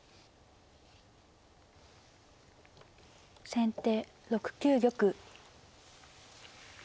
先手６九玉。